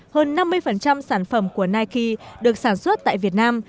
hơn năm mươi sản phẩm của nike được sản xuất tại việt nam